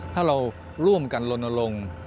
ถ้าเราร่วมกันลนลง